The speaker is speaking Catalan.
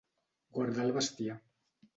Guardar el bestiar.